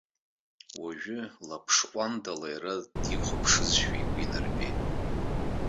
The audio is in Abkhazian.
Уажәы лаԥш ҟәандала иара дихәаԥшызшәа игәы инарбеит.